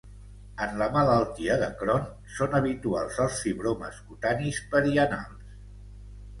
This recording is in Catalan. En la malaltia de Crohn són habituals els fibromes cutanis perianals.